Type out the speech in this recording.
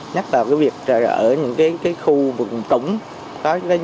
nhất là việc ở những khu vùng trống